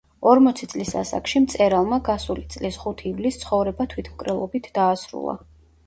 ორმოცი წლის ასაკში მწერალმა, გასული წლის ხუთ ივლისს ცხოვრება თვითმკვლელობით დაასრულა.